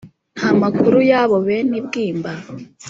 nta makuru y’abo benebwimba’